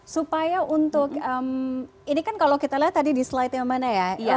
supaya untuk ini kan kalau kita lihat tadi di slide yang mana ya